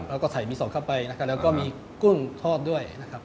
แล้วก็ใส่มีสดเข้าไปนะครับแล้วก็มีกุ้งทอดด้วยนะครับ